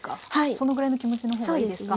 そのぐらいの気持ちのほうがいいですか？